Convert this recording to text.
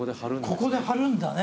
ここで張るんだね